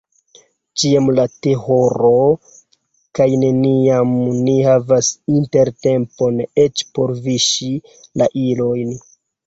Ĉiam la tehoro, kaj neniam ni havas intertempon eĉ por viŝi la ilojn.